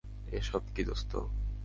এ সব কি, দোস্ত?